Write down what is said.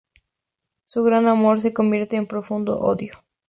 Su gran amor se convierte en profundo odio.